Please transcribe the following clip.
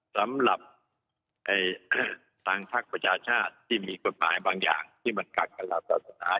สำหรับทางภักดิ์ประชาชาติที่มีกฎหมายบางอย่างที่มันขัดกันหลักศาสนา